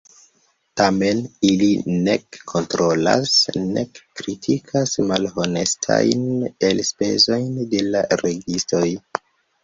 Tamen ili nek kontrolas nek kritikas malhonestajn elspezojn de la registoj.